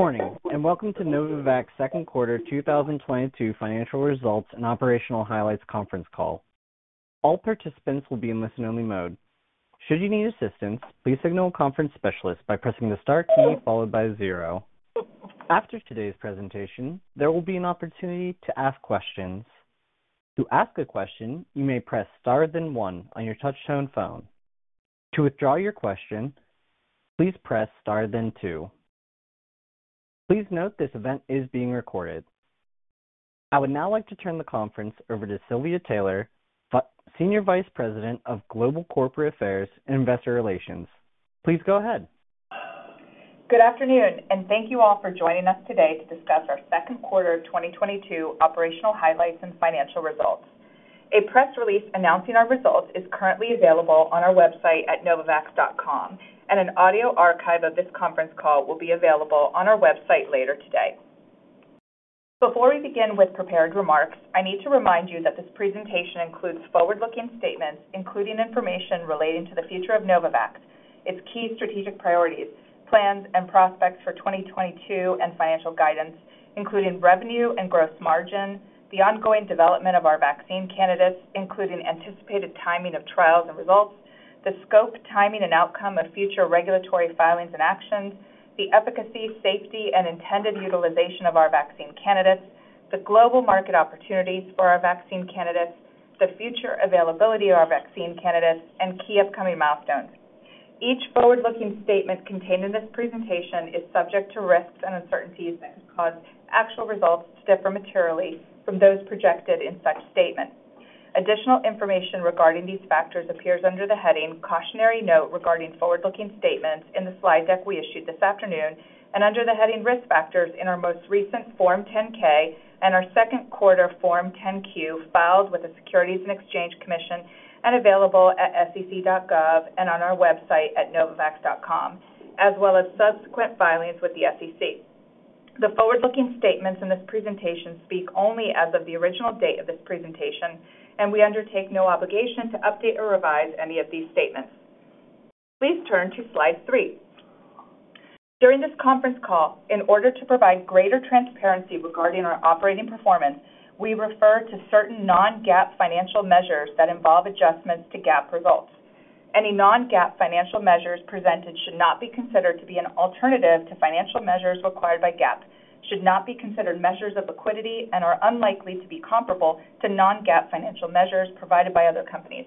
Good morning, and welcome to Novavax second quarter 2022 financial results and operational highlights conference call. All participants will be in listen only mode. Should you need assistance, please signal a conference specialist by pressing the star key followed by zero. After today's presentation, there will be an opportunity to ask questions. To ask a question, you may press star then one on your touchtone phone. To withdraw your question, please press star then two. Please note this event is being recorded. I would now like to turn the conference over to Silvia Taylor, Senior Vice President of Global Corporate Affairs and Investor Relations. Please go ahead. Good afternoon, and thank you all for joining us today to discuss our second quarter of 2022 operational highlights and financial results. A press release announcing our results is currently available on our website at novavax.com, and an audio archive of this conference call will be available on our website later today. Before we begin with prepared remarks, I need to remind you that this presentation includes forward-looking statements, including information relating to the future of Novavax, its key strategic priorities, plans and prospects for 2022 and financial guidance, including revenue and gross margin, the ongoing development of our vaccine candidates, including anticipated timing of trials and results, the scope, timing and outcome of future regulatory filings and actions, the efficacy, safety and intended utilization of our vaccine candidates, the global market opportunities for our vaccine candidates, the future availability of our vaccine candidates and key upcoming milestones. Each forward-looking statement contained in this presentation is subject to risks and uncertainties that cause actual results to differ materially from those projected in such statements. Additional information regarding these factors appears under the heading Cautionary Note regarding forward-looking statements in the slide deck we issued this afternoon and under the heading Risk Factors in our most recent Form 10-K and our second quarter Form 10-Q filed with the Securities and Exchange Commission and available at sec.gov and on our website at novavax.com, as well as subsequent filings with the SEC. The forward-looking statements in this presentation speak only as of the original date of this presentation, and we undertake no obligation to update or revise any of these statements. Please turn to slide three. During this conference call, in order to provide greater transparency regarding our operating performance, we refer to certain non-GAAP financial measures that involve adjustments to GAAP results. Any non-GAAP financial measures presented should not be considered to be an alternative to financial measures required by GAAP, should not be considered measures of liquidity, and are unlikely to be comparable to non-GAAP financial measures provided by other companies.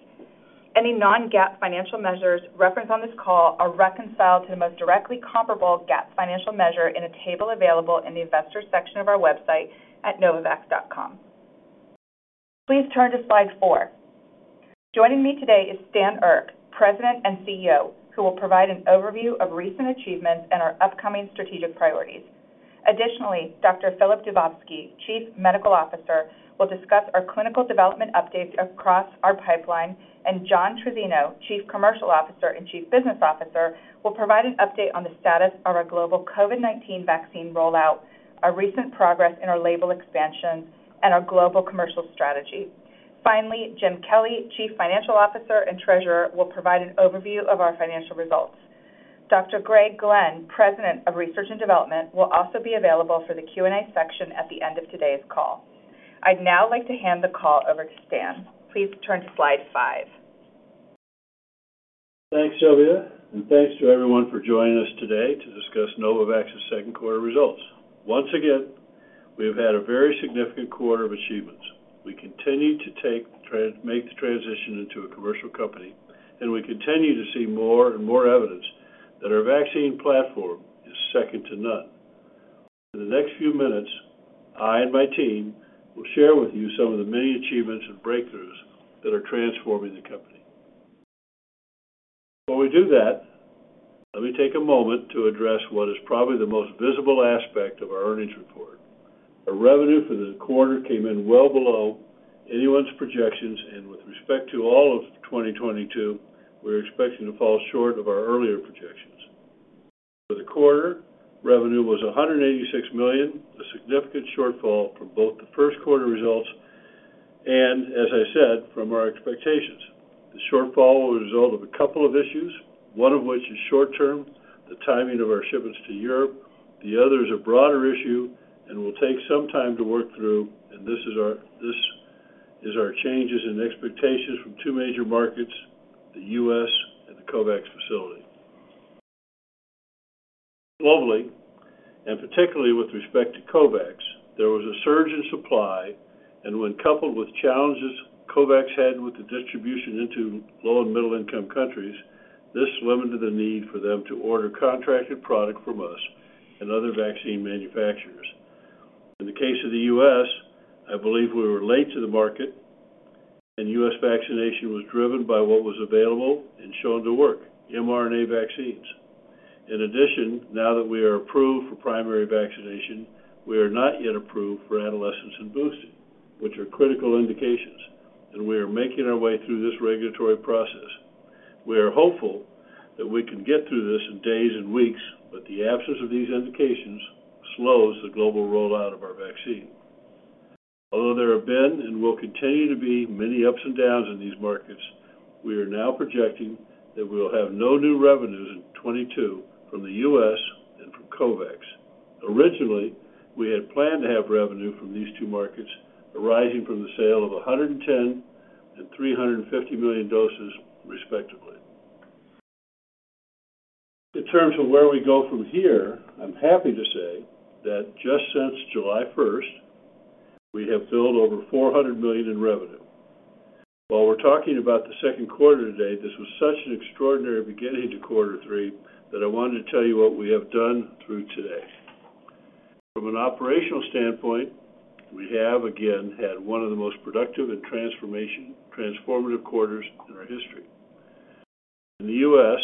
Any non-GAAP financial measures referenced on this call are reconciled to the most directly comparable GAAP financial measure in a table available in the investors section of our website at novavax.com. Please turn to slide four. Joining me today is Stan Erck, President and CEO, who will provide an overview of recent achievements and our upcoming strategic priorities. Additionally, Dr. Filip Dubovsky, Chief Medical Officer, will discuss our clinical development updates across our pipeline, and John Trizzino, Chief Commercial Officer and Chief Business Officer, will provide an update on the status of our global COVID-19 vaccine rollout, our recent progress in our label expansion and our global commercial strategy. Finally, Jim Kelly, Chief Financial Officer and Treasurer, will provide an overview of our financial results. Dr. Greg Glenn, President of Research and Development, will also be available for the Q&A section at the end of today's call. I'd now like to hand the call over to Stan Erck. Please turn to slide five. Thanks, Silvia, and thanks to everyone for joining us today to discuss Novavax's second quarter results. Once again, we have had a very significant quarter of achievements. We continue to make the transition into a commercial company, and we continue to see more and more evidence that our vaccine platform is second to none. In the next few minutes, I and my team will share with you some of the many achievements and breakthroughs that are transforming the company. Before we do that, let me take a moment to address what is probably the most visible aspect of our earnings report. Our revenue for the quarter came in well below anyone's projections, and with respect to all of 2022, we're expecting to fall short of our earlier projections. For the quarter, revenue was $186 million, a significant shortfall from both the first quarter results and, as I said, from our expectations. The shortfall was a result of a couple of issues, one of which is short-term, the timing of our shipments to Europe. The other is a broader issue and will take some time to work through, and this is our changes in expectations from two major markets, the U.S. and the COVAX Facility. Globally, particularly with respect to COVAX, there was a surge in supply, and when coupled with challenges COVAX had with the distribution into low and middle income countries, this limited the need for them to order contracted product from us and other vaccine manufacturers. In the case of the U.S., I believe we were late to the market and U.S. vaccination was driven by what was available and shown to work, mRNA vaccines. In addition, now that we are approved for primary vaccination, we are not yet approved for adolescents and boosting, which are critical indications, and we are making our way through this regulatory process. We are hopeful that we can get through this in days and weeks, but the absence of these indications slows the global rollout of our vaccine. Although there have been and will continue to be many ups and downs in these markets, we are now projecting that we'll have no new revenues in 2022 from the U.S. and from COVAX. Originally, we had planned to have revenue from these two markets arising from the sale of 110 and 350 million doses, respectively. In terms of where we go from here, I'm happy to say that just since July 1st, we have billed over $400 million in revenue. While we're talking about the second quarter today, this was such an extraordinary beginning to quarter three that I wanted to tell you what we have done through today. From an operational standpoint, we have again had one of the most productive and transformative quarters in our history. In the U.S.,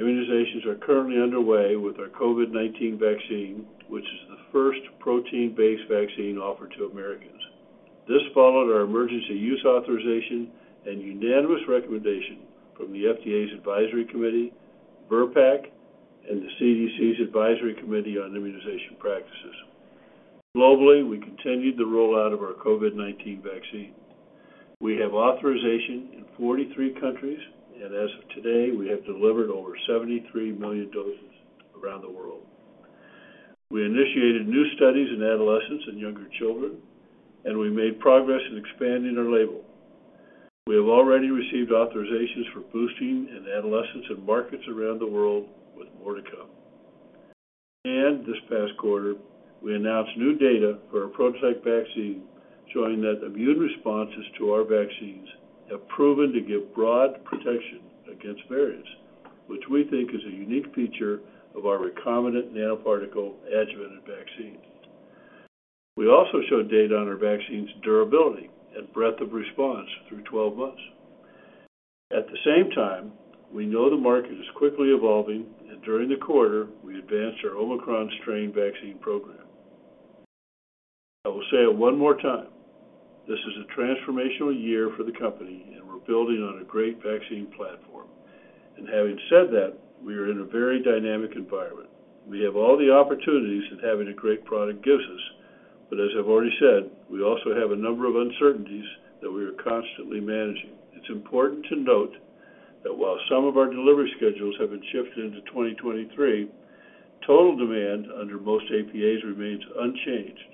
immunizations are currently underway with our COVID-19 vaccine, which is the first protein-based vaccine offered to Americans. This followed our emergency use authorization and unanimous recommendation from the FDA's advisory committee, VRBPAC, and the CDC's Advisory Committee on Immunization Practices. Globally, we continued the rollout of our COVID-19 vaccine. We have authorization in 43 countries, and as of today, we have delivered over 73 million doses around the world. We initiated new studies in adolescents and younger children, and we made progress in expanding our label. We have already received authorizations for boosting in adolescents in markets around the world with more to come. This past quarter, we announced new data for our prototype vaccine showing that immune responses to our vaccines have proven to give broad protection against variants, which we think is a unique feature of our recombinant nanoparticle adjuvanted vaccine. We also showed data on our vaccine's durability and breadth of response through 12 months. At the same time, we know the market is quickly evolving, and during the quarter, we advanced our Omicron strain vaccine program. I will say it one more time, this is a transformational year for the company, and we're building on a great vaccine platform. Having said that, we are in a very dynamic environment. We have all the opportunities that having a great product gives us. As I've already said, we also have a number of uncertainties that we are constantly managing. It's important to note that while some of our delivery schedules have been shifted into 2023, total demand under most APAs remains unchanged.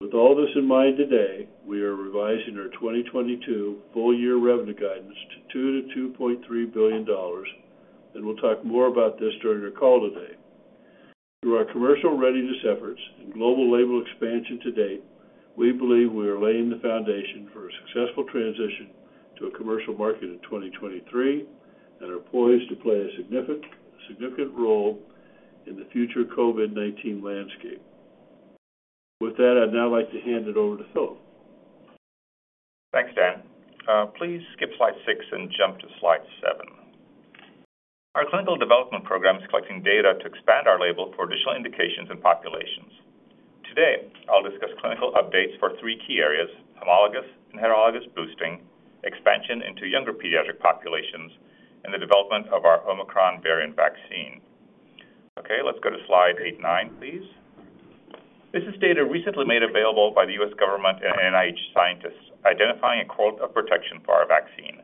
With all this in mind today, we are revising our 2022 full-year revenue guidance to $2 billion-$2.3 billion, and we'll talk more about this during our call today. Through our commercial readiness efforts and global label expansion to date, we believe we are laying the foundation for a successful transition to a commercial market in 2023 and are poised to play a significant role in the future COVID-19 landscape. With that, I'd now like to hand it over to Filip. Thanks, Stan. Please skip slide six and jump to slide seven. Our clinical development program is collecting data to expand our label for additional indications and populations. Today, I'll discuss clinical updates for three key areas: homologous and heterologous boosting, expansion into younger pediatric populations, and the development of our Omicron variant vaccine. Okay, let's go to slide eight and nine, please. This is data recently made available by the U.S. government and NIH scientists identifying a correlate of protection for our vaccine.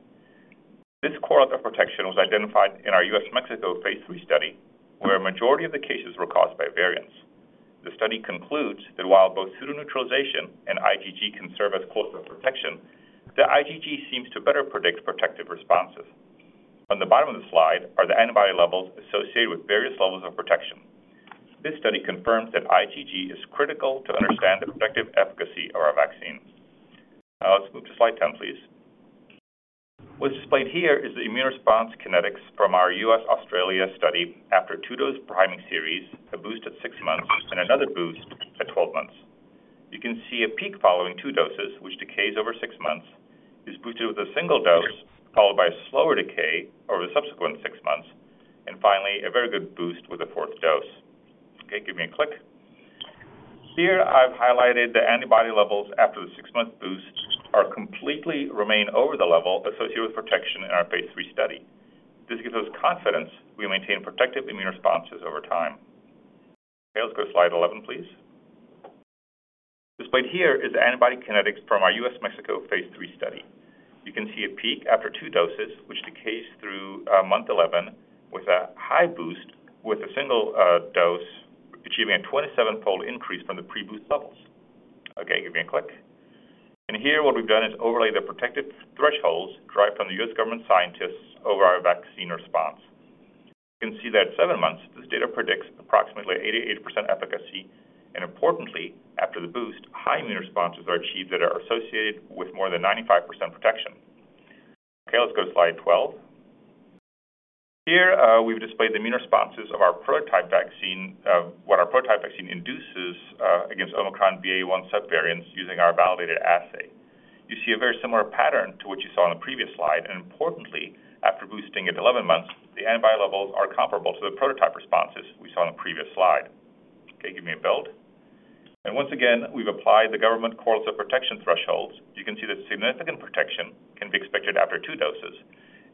This correlate of protection was identified in our U.S.-Mexico phase III study, where a majority of the cases were caused by variants. The study concludes that while both pseudoneutralization and IgG can serve as correlates of protection, the IgG seems to better predict protective responses. On the bottom of the slide are the antibody levels associated with various levels of protection. This study confirms that IgG is critical to understand the protective efficacy of our vaccines. Now let's move to slide 10, please. What's displayed here is the immune response kinetics from our U.S.-Australia study after a two-dose priming series, a boost at six months and another boost at 12 months. You can see a peak following two doses, which decays over six months, is boosted with a single dose, followed by a slower decay over the subsequent months, and finally, a very good boost with a fourth dose. Okay, give me a click. Here, I've highlighted the antibody levels after the six-month boost are completely remaining over the level associated with protection in our phase III study. This gives us confidence we maintain protective immune responses over time. Okay, let's go to slide 11, please. Displayed here is the antibody kinetics from our U.S.-Mexico phase III study. You can see a peak after two doses, which decays through month 11 with a high boost with a single dose achieving a 27-fold increase from the pre-boost levels. Okay, give me a click. Here what we've done is overlay the protective thresholds derived from the U.S. government scientists over our vaccine response. You can see that at seven months, this data predicts approximately 88% efficacy, and importantly, after the boost, high immune responses are achieved that are associated with more than 95% protection. Okay, let's go to slide 12. Here, we've displayed the immune responses what our prototype vaccine induces against Omicron BA.1 subvariants using our validated assay. You see a very similar pattern to what you saw on the previous slide, and importantly, after boosting at 11 months, the antibody levels are comparable to the prototype responses we saw on the previous slide. Okay, give me a build. Once again, we've applied the government correlates of protection thresholds. You can see that significant protection. Two doses,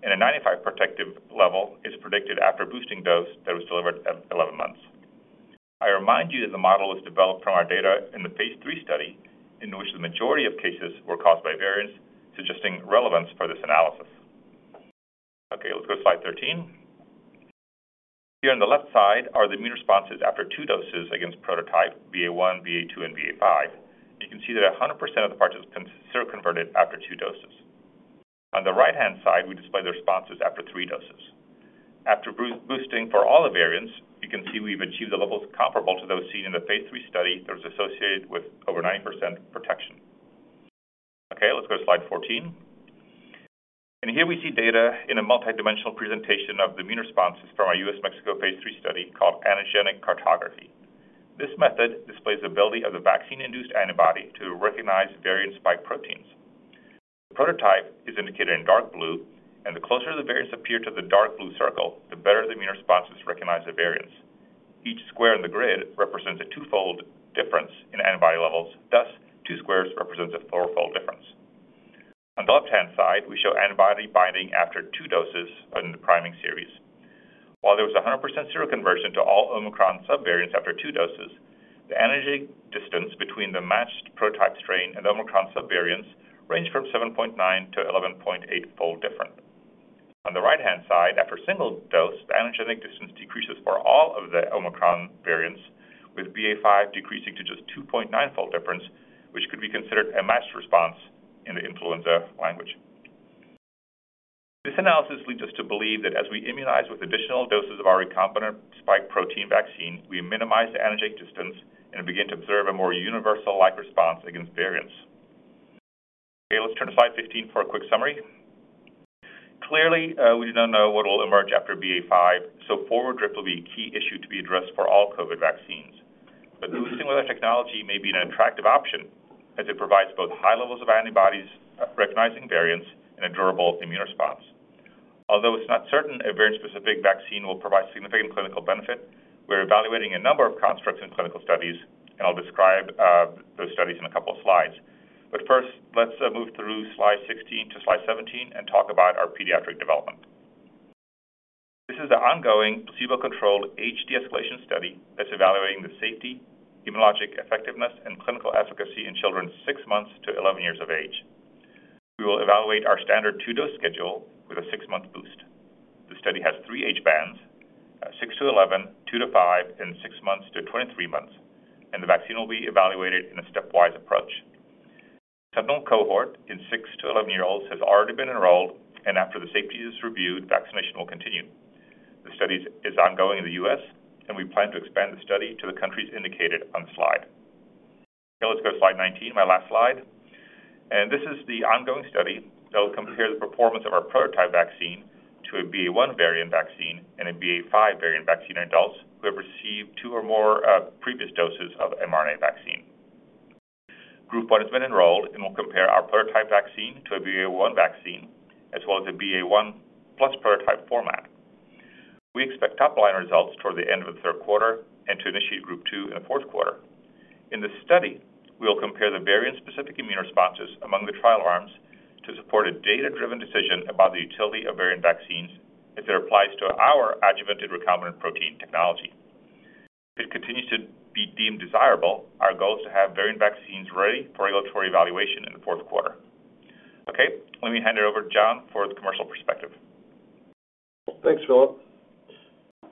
and a 95 protective level is predicted after boosting dose that was delivered at 11 months. I remind you that the model was developed from our data in the phase III study in which the majority of cases were caused by variants suggesting relevance for this analysis. Okay, let's go to slide 13. Here on the left side are the immune responses after two doses against prototype Omicron BA.1, Omicron BA.2, and Omicron BA.5. You can see that 100% of the participants seroconverted after two doses. On the right-hand side, we display the responses after three doses. After boo-boosting for all the variants, you can see we've achieved the levels comparable to those seen in the phase III study that was associated with over 90% protection. Okay, let's go to slide 14. Here we see data in a multidimensional presentation of the immune responses from our U.S., Mexico phase III study called antigenic cartography. This method displays the ability of the vaccine-induced antibody to recognize variant spike proteins. The prototype is indicated in dark blue, and the closer the variants appear to the dark blue circle, the better the immune responses recognize the variants. Each square in the grid represents a twofold difference in antibody levels, thus two squares represents a fourfold difference. On the left-hand side, we show antibody binding after two doses in the priming series. While there was 100% seroconversion to all Omicron subvariants after two doses, the antigenic distance between the matched prototype strain and Omicron subvariants ranged from 7.9- to 11.8-fold different. On the right-hand side, after single dose, the antigenic distance decreases for all of the Omicron variants, with Omicron BA.5 decreasing to just 2.9-fold difference, which could be considered a matched response in the influenza language. This analysis leads us to believe that as we immunize with additional doses of our recombinant spike protein vaccine, we minimize the antigenic distance and begin to observe a more universal-like response against variants. Okay, let's turn to slide 15 for a quick summary. Clearly, we do not know what will emerge after Omicron BA.5, so forward drift will be a key issue to be addressed for all COVID vaccines. Boosting with our technology may be an attractive option as it provides both high levels of antibodies recognizing variants and a durable immune response. Although it's not certain a variant-specific vaccine will provide significant clinical benefit, we're evaluating a number of constructs in clinical studies, and I'll describe those studies in a couple of slides. First, let's move through slide 16 to slide 17 and talk about our pediatric development. This is the ongoing placebo-controlled age de-escalation study that's evaluating the safety, immunologic effectiveness, and clinical efficacy in children six months to 11 years of age. We will evaluate our standard two-dose schedule with a six-month boost. The study has three age bands, six to 11, two to five, and six months to 23 months, and the vaccine will be evaluated in a stepwise approach. The initial cohort in to 11-year-olds has already been enrolled, and after the safety is reviewed, vaccination will continue. The study is ongoing in the U.S., and we plan to expand the study to the countries indicated on the slide. Okay, let's go to slide 19, my last slide. This is the ongoing study that will compare the performance of our prototype vaccine to anOmicron BA.1 variant vaccine and an Omicron BA.5 variant vaccine in adults who have received two or more previous doses of mRNA vaccine. Group 1 has been enrolled and will compare our prototype vaccine to a Omicron BA.1 vaccine as well as an Omicron BA.1 plus prototype format. We expect top-line results toward the end of the third quarter and to initiate group 2 in the fourth quarter. In this study, we will compare the variant-specific immune responses among the trial arms to support a data-driven decision about the utility of variant vaccines as it applies to our adjuvanted recombinant protein technology. If it continues to be deemed desirable, our goal is to have variant vaccines ready for regulatory evaluation in the fourth quarter. Okay, let me hand it over to John for the commercial perspective. Thanks, Filip.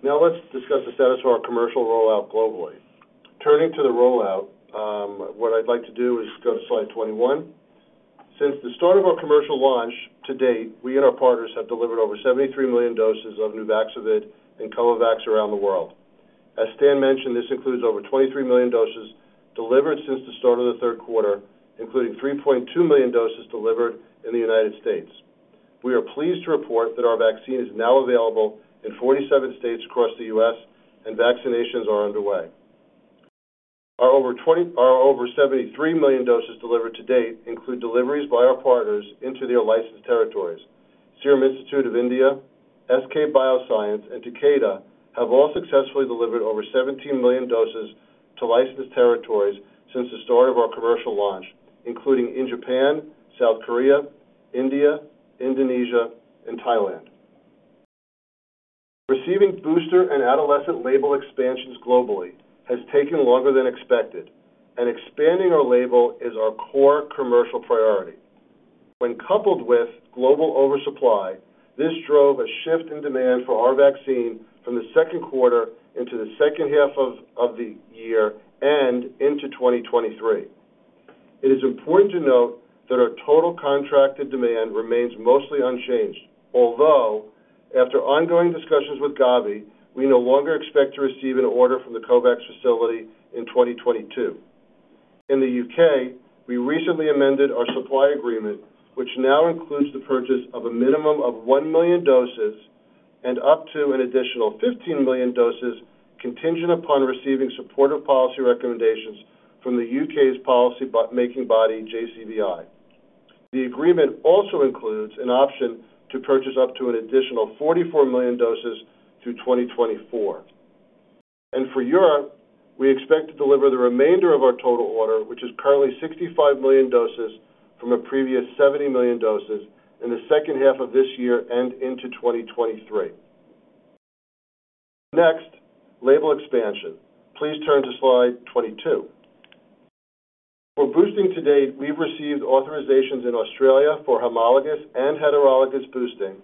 Now let's discuss the status of our commercial rollout globally. Turning to the rollout, what I'd like to do is go to slide 21. Since the start of our commercial launch to date, we and our partners have delivered over 73 million doses of Nuvaxovid and Covovax around the world. As Stanley mentioned, this includes over 23 million doses delivered since the start of the third quarter, including 3.2 million doses delivered in the United States. We are pleased to report that our vaccine is now available in 47 states across the U.S. and vaccinations are underway. Our over 73 million doses delivered to date include deliveries by our partners into their licensed territories. Serum Institute of India, SK Bioscience, and Takeda have all successfully delivered over 17 million doses to licensed territories since the start of our commercial launch, including in Japan, South Korea, India, Indonesia, and Thailand. Receiving booster and adolescent label expansions globally has taken longer than expected, and expanding our label is our core commercial priority. When coupled with global oversupply, this drove a shift in demand for our vaccine from the second quarter into the second half of the year and into 2023. It is important to note that our total contracted demand remains mostly unchanged, although after ongoing discussions with Gavi, we no longer expect to receive an order from the COVAX Facility in 2022. In the U.K., we recently amended our supply agreement, which now includes the purchase of a minimum of 1 million doses and up to an additional 15 million doses contingent upon receiving supportive policy recommendations from the U.K.'s policy-making body, JCVI. The agreement also includes an option to purchase up to an additional 44 million doses through 2024. For Europe, we expect to deliver the remainder of our total order, which is currently 65 million doses from a previous 70 million doses in the second half of this year and into 2023. Next, label expansion. Please turn to slide 22. For boosting to date, we've received authorizations in Australia for homologous and heterologous boosting,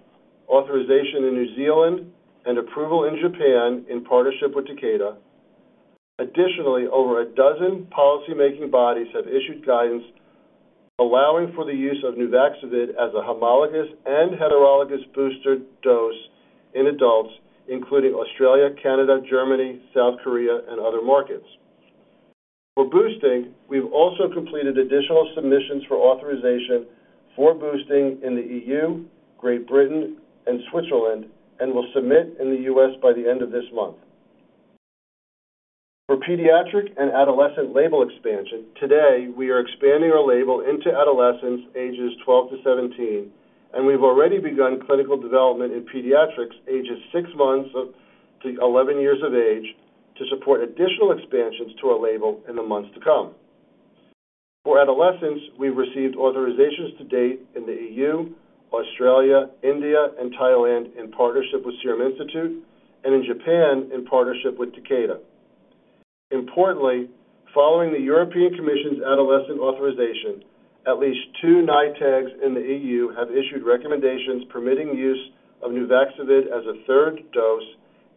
authorization in New Zealand, and approval in Japan in partnership with Takeda. Additionally, over a dozen policymaking bodies have issued guidance allowing for the use of Nuvaxovid as a homologous and heterologous booster dose in adults, including Australia, Canada, Germany, South Korea, and other markets. For boosting, we've also completed additional submissions for authorization for boosting in the EU, Great Britain, and Switzerland, and will submit in the U.S. by the end of this month. For pediatric and adolescent label expansion, today, we are expanding our label into adolescents ages 12 to 17, and we've already begun clinical development in pediatrics ages six months to 11 years of age to support additional expansions to our label in the months to come. For adolescents, we received authorizations to date in the EU, Australia, India, and Thailand in partnership with Serum Institute and in Japan in partnership with Takeda. Importantly, following the European Commission's adolescent authorization, at least two NITAGs in the EU have issued recommendations permitting use of Nuvaxovid as a third dose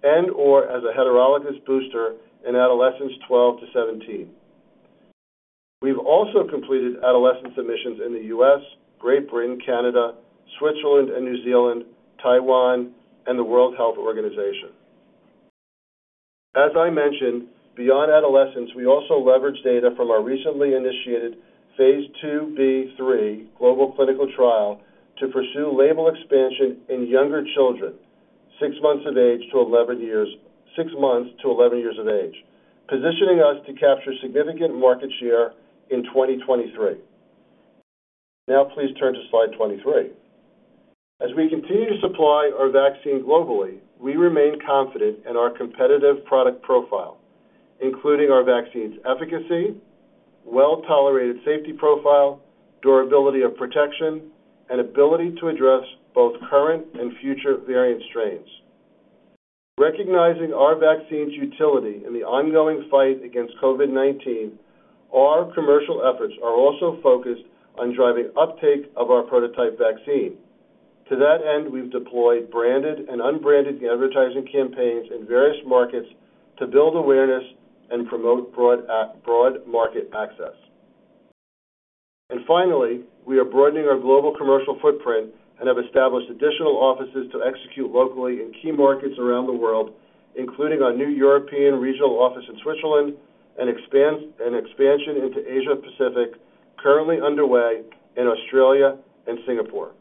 and/or as a heterologous booster in adolescents 12 to 17. We've also completed adolescent submissions in the U.S., Great Britain, Canada, Switzerland and New Zealand, Taiwan, and the World Health Organization. As I mentioned, beyond adolescents, we also leverage data from our recently initiated phase II-B/III global clinical trial to pursue label expansion in younger children, six months to 11 years of age, positioning us to capture significant market share in 2023. Now please turn to slide 23. As we continue to supply our vaccine globally, we remain confident in our competitive product profile, including our vaccine's efficacy, well-tolerated safety profile, durability of protection, and ability to address both current and future variant strains. Recognizing our vaccine's utility in the ongoing fight against COVID-19, our commercial efforts are also focused on driving uptake of our prototype vaccine. To that end, we've deployed branded and unbranded advertising campaigns in various markets to build awareness and promote broad market access. Finally, we are broadening our global commercial footprint and have established additional offices to execute locally in key markets around the world, including our new European regional office in Switzerland and an expansion into Asia Pacific currently underway in Australia and Singapore.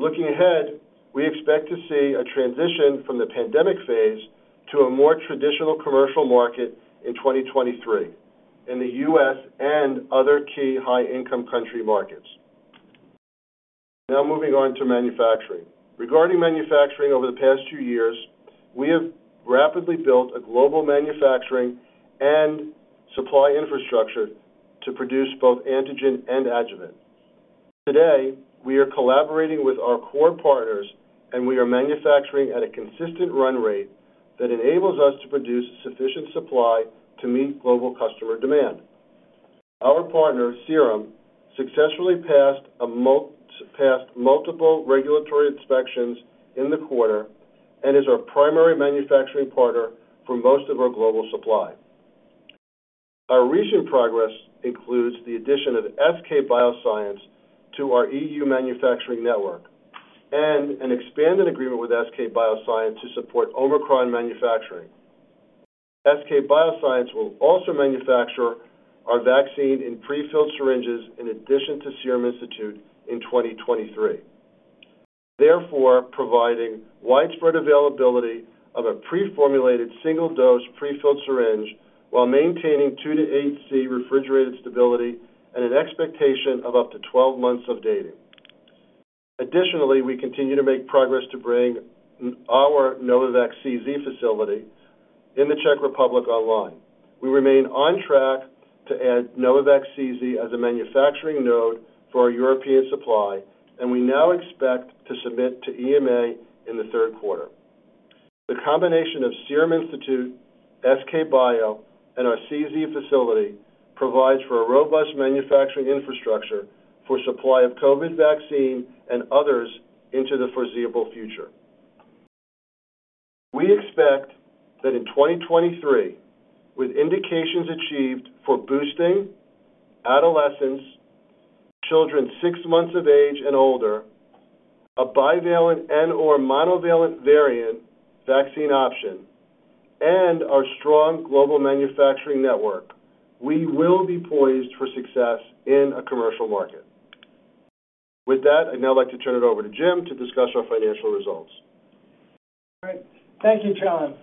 Looking ahead, we expect to see a transition from the pandemic phase to a more traditional commercial market in 2023 in the U.S. and other key high-income country markets. Now moving on to manufacturing. Regarding manufacturing over the past two years, we have rapidly built a global manufacturing and supply infrastructure to produce both antigen and adjuvant. Today, we are collaborating with our core partners, and we are manufacturing at a consistent run rate that enables us to produce sufficient supply to meet global customer demand. Our partner, Serum, successfully passed multiple regulatory inspections in the quarter and is our primary manufacturing partner for most of our global supply. Our recent progress includes the addition of SK Bioscience to our EU manufacturing network and an expanded agreement with SK Bioscience to support Omicron manufacturing. SK Bioscience will also manufacture our vaccine in prefilled syringes in addition to Serum Institute in 2023, therefore providing widespread availability of a preformulated single-dose prefilled syringe while maintaining 2-8 degrees C refrigerated stability and an expectation of up to 12 months of dating. Additionally, we continue to make progress to bring our Novavax CZ facility in the Czech Republic online. We remain on track to add Novavax CZ as a manufacturing node for our European supply, and we now expect to submit to EMA in the third quarter. The combination of Serum Institute, SK Bioscience, and our CZ facility provides for a robust manufacturing infrastructure for supply of COVID vaccine and others into the foreseeable future. We expect that in 2023, with indications achieved for boosting adolescents, children six months of age and older, a bivalent and/or monovalent variant vaccine option, and our strong global manufacturing network, we will be poised for success in a commercial market. With that, I'd now like to turn it over to Jim to discuss our financial results. All right. Thank you, John.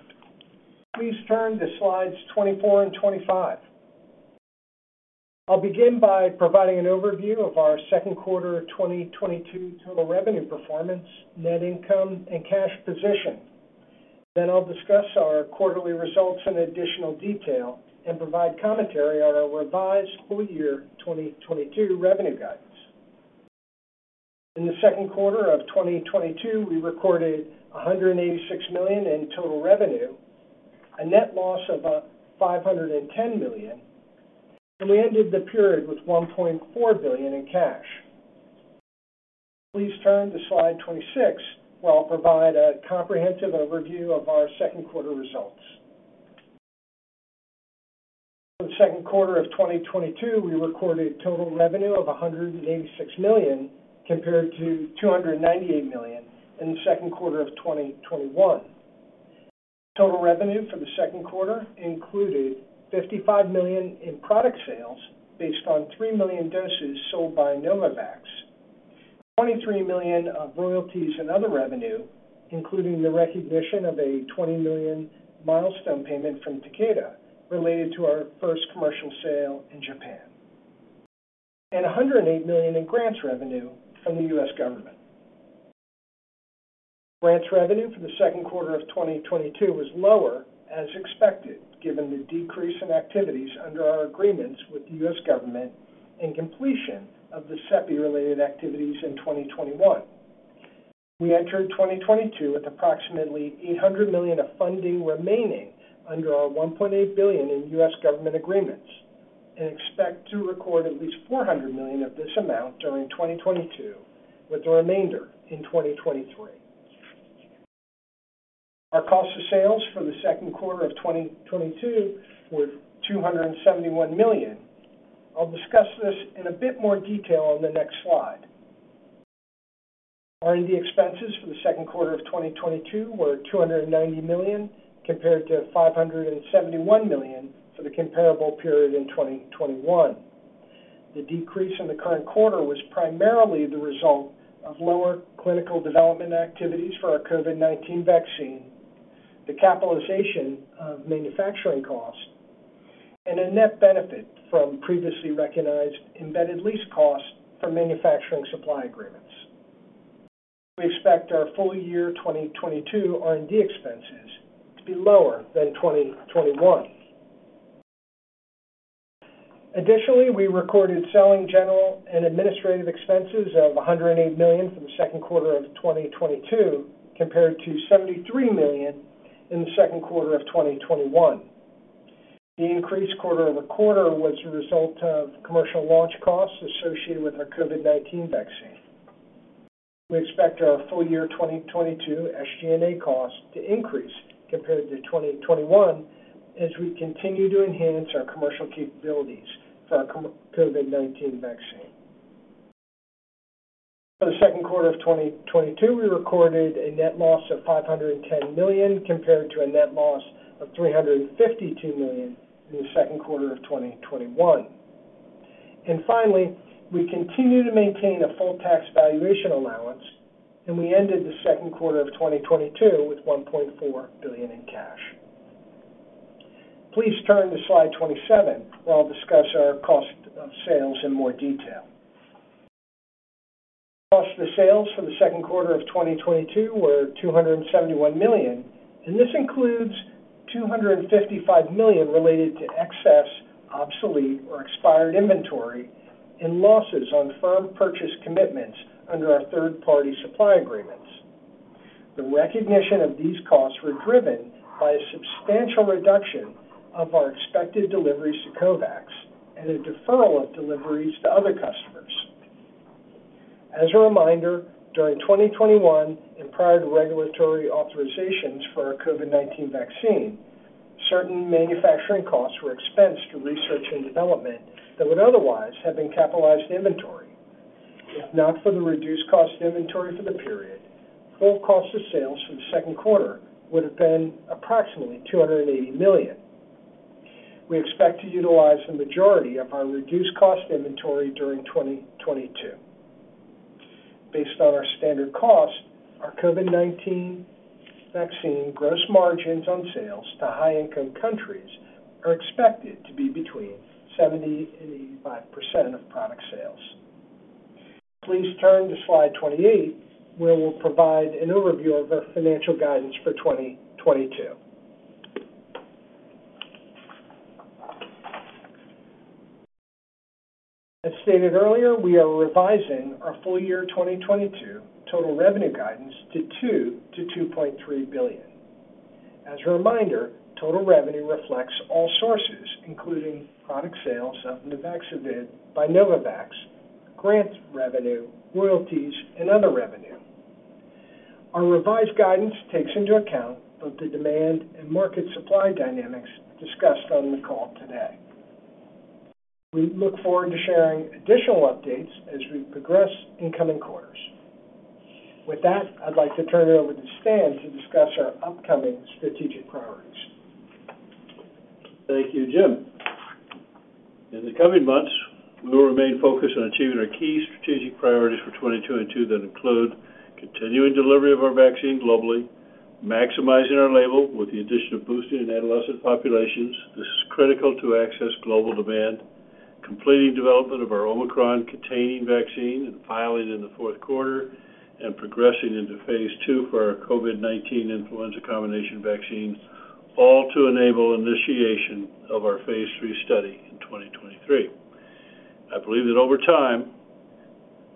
Please turn to slides 24 and 25. I'll begin by providing an overview of our second quarter 2022 total revenue performance, net income, and cash position. I'll discuss our quarterly results in additional detail and provide commentary on our revised full year 2022 revenue guidance. In the second quarter of 2022, we recorded $186 million in total revenue, a net loss of $510 million, and we ended the period with $1.4 billion in cash. Please turn to slide 26 where I'll provide a comprehensive overview of our second quarter results. For the second quarter of 2022, we recorded total revenue of $186 million compared to $298 million in the second quarter of 2021. Total revenue for the second quarter included $55 million in product sales based on 3 million doses sold by Novavax, $23 million of royalties and other revenue, including the recognition of a $20 million milestone payment from Takeda related to our first commercial sale in Japan, and $108 million in grants revenue from the U.S. government. Grants revenue for the second quarter of 2022 was lower, as expected, given the decrease in activities under our agreements with the U.S. government and completion of the CEPI-related activities in 2021. We entered 2022 with approximately $800 million of funding remaining under our $1.8 billion in U.S. government agreements and expect to record at least $400 million of this amount during 2022 with the remainder in 2023. Our cost of sales for the second quarter of 2022 were $271 million. I'll discuss this in a bit more detail on the next slide. R&D expenses for the second quarter of 2022 were $290 million compared to $571 million for the comparable period in 2021. The decrease in the current quarter was primarily the result of lower clinical development activities for our COVID-19 vaccine, the capitalization of manufacturing costs, and a net benefit from previously recognized embedded lease costs for manufacturing supply agreements. We expect our full year 2022 R&D expenses to be lower than 2021. Additionally, we recorded selling, general, and administrative expenses of $108 million for the second quarter of 2022 compared to $73 million in the second quarter of 2021. The increase quarter-over-quarter was a result of commercial launch costs associated with our COVID-19 vaccine. We expect our full year 2022 SG&A costs to increase compared to 2021 as we continue to enhance our commercial capabilities for our COVID-19 vaccine. For the second quarter of 2022, we recorded a net loss of $510 million compared to a net loss of $352 million in the second quarter of 2021. Finally, we continue to maintain a full tax valuation allowance, and we ended the second quarter of 2022 with $1.4 billion in cash. Please turn to slide 27 where I'll discuss our cost of sales in more detail. Cost of sales for the second quarter of 2022 were $271 million, and this includes $255 million related to excess, obsolete, or expired inventory and losses on firm purchase commitments under our third-party supply agreements. The recognition of these costs were driven by a substantial reduction of our expected deliveries to COVAX and a deferral of deliveries to other customers. As a reminder, during 2021 and prior to regulatory authorizations for our COVID-19 vaccine, certain manufacturing costs were expensed to research and development that would otherwise have been capitalized inventory. If not for the reduced cost of inventory for the period, full cost of sales for the second quarter would have been approximately $280 million. We expect to utilize the majority of our reduced cost inventory during 2022. Based on our standard costs, our COVID-19 vaccine gross margins on sales to high-income countries are expected to be between 70% and 85% of product sales. Please turn to slide 28, where we'll provide an overview of our financial guidance for 2022. As stated earlier, we are revising our full year 2022 total revenue guidance to $2-$2.3 billion. As a reminder, total revenue reflects all sources, including product sales of Nuvaxovid by Novavax, grants revenue, royalties, and other revenue. Our revised guidance takes into account both the demand and market supply dynamics discussed on the call today. We look forward to sharing additional updates as we progress in coming quarters. With that, I'd like to turn it over to Stan to discuss our upcoming strategic priorities. Thank you, Jim. In the coming months, we will remain focused on achieving our key strategic priorities for 2022 that include continuing delivery of our vaccine globally, maximizing our label with the addition of boosting in adolescent populations. This is critical to access global demand, completing development of our Omicron-containing vaccine, and filing in the fourth quarter and progressing into phase II for our COVID-19 influenza combination vaccine, all to enable initiation of our phase III study in 2023. I believe that over time,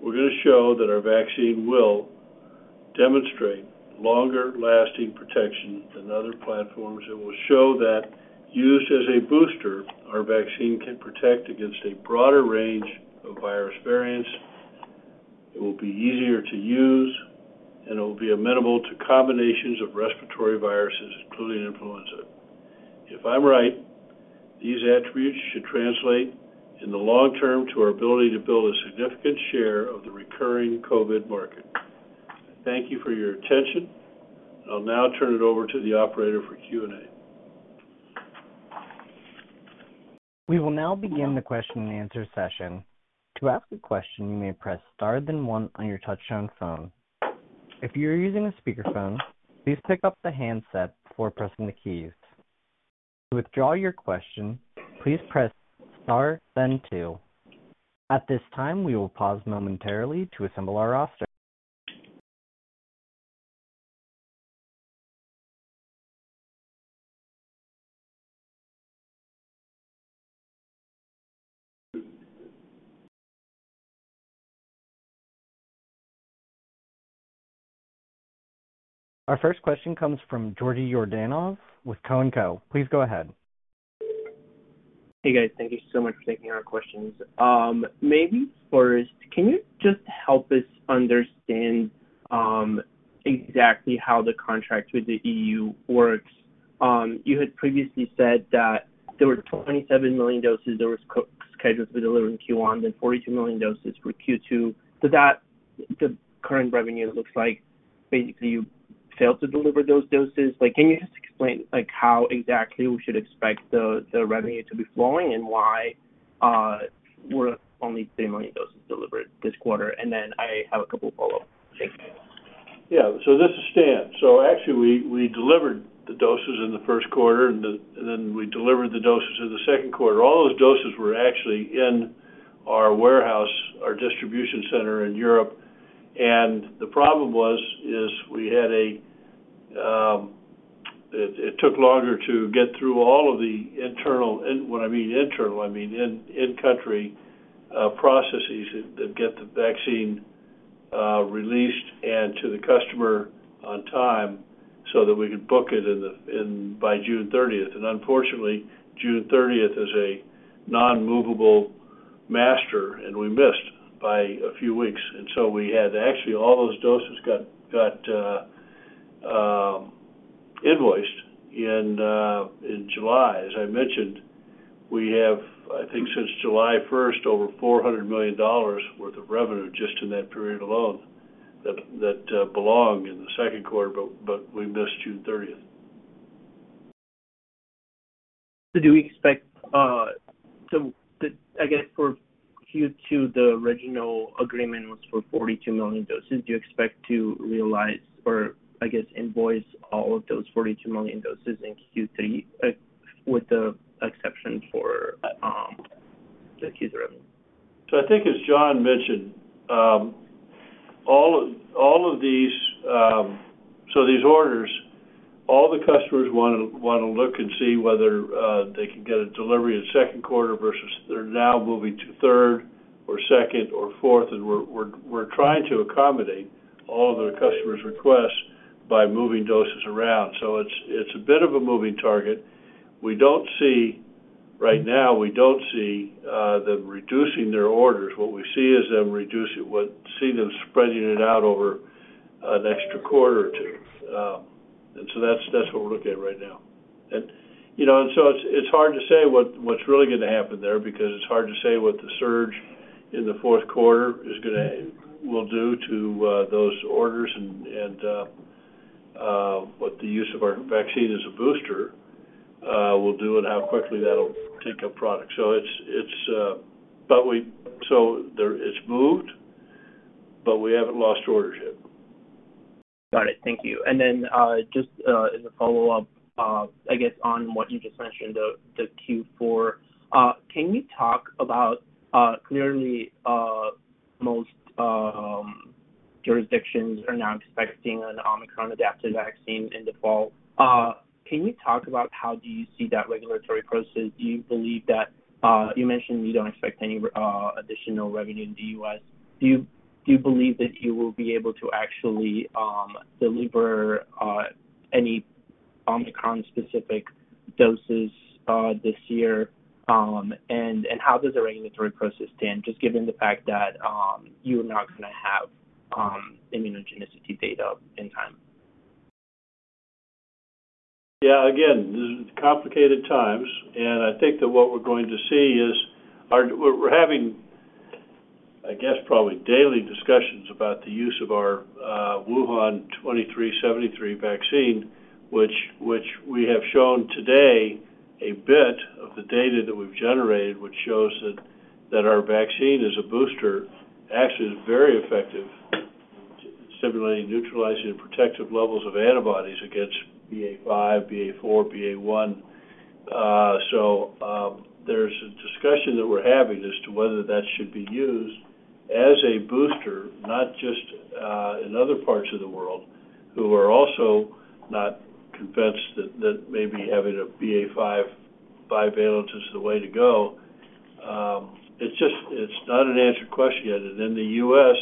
we're going to show that our vaccine will demonstrate longer-lasting protection than other platforms. It will show that use as a booster, our vaccine can protect against a broader range of virus variants. It will be easier to use, and it will be amenable to combinations of respiratory viruses, including influenza. If I'm right, these attributes should translate in the long term to our ability to build a significant share of the recurring COVID market. Thank you for your attention. I'll now turn it over to the operator for Q&A. We will now begin the question and answer session. To ask a question, you may press star then one on your touchtone phone. If you're using a speakerphone, please pick up the handset before pressing the keys. To withdraw your question, please press star then two. At this time, we will pause momentarily to assemble our roster. Our first question comes from Georgi Yordanov with Cowen & Co. Please go ahead. Hey, guys. Thank you so much for taking our questions. Maybe first, can you just help us understand exactly how the contract with the EU works? You had previously said that there were 27 million doses that was co-scheduled to be delivered in Q1, then 42 million doses for Q2. The current revenue looks like basically you failed to deliver those doses. Like, can you just explain, like, how exactly we should expect the revenue to be flowing and why were only 3 million doses delivered this quarter? I have a couple of follow-up. Thanks. Yeah. This is Stan Erck. Actually, we delivered the doses in the first quarter, and then we delivered the doses in the second quarter. All those doses were actually in our warehouse, our distribution center in Europe. The problem was it took longer to get through all of the internal. When I mean internal, I mean in-country processes that get the vaccine released and to the customer on time so that we could book it in by June 30th. Unfortunately, June 30th is a non-movable date, and we missed by a few weeks. We actually had all those doses got invoiced in July. As I mentioned, we have, I think, since July first, over $400 million worth of revenue just in that period alone that belong in the second quarter, but we missed June 30th. Do we expect for Q2, the original agreement was for 42 million doses. Do you expect to realize or, I guess, invoice all of those 42 million doses in Q3, with the exception for the Q3? I think as John mentioned, all of these orders, all the customers wanna look and see whether they can get a delivery in the second quarter versus they're now moving to third or second or fourth. We're trying to accommodate all of the customers' requests by moving doses around. It's a bit of a moving target. We don't see. Right now, we don't see them reducing their orders. What we see is them spreading it out over an extra quarter or two. That's what we're looking at right now. you know, it's hard to say what's really gonna happen there because it's hard to say what the surge in the fourth quarter will do to those orders and what the use of our vaccine as a booster will do and how quickly that'll take up product. It's moved, but we haven't lost orders yet. Got it. Thank you. Just as a follow-up, I guess on what you just mentioned of the Q4, can you talk about clearly most jurisdictions are now expecting an Omicron-adapted vaccine in the fall. Can you talk about how do you see that regulatory process? You mentioned you don't expect any additional revenue in the U.S. Do you believe that you will be able to actually deliver any Omicron-specific doses this year? And how does the regulatory process stand, just given the fact that you are not gonna have immunogenicity data in time? Yeah, again, these are complicated times, and I think we're having, I guess, probably daily discussions about the use of our NVX-CoV2373 vaccine, which we have shown today a bit of the data that we've generated, which shows that our vaccine as a booster actually is very effective in stimulating neutralizing and protective levels of antibodies against Omicron BA.5, Omicron BA.4, Omicron BA.1. So, there's a discussion that we're having as to whether that should be used as a booster, not just in other parts of the world who are also not convinced that maybe having a Omicron BA.5 bivalent is the way to go. It's just not an answered question yet. In the U.S.,